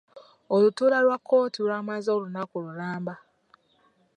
Olutuula lwa kkooti lwamaze olunaku lulamba.